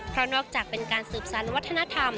เพราะนอกจากเป็นการสืบสารวัฒนธรรม